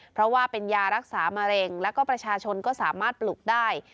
เพราะว่าเป็นยารักษามะเร็งแล้วก็ประชาชนก็สามารถปลูกได้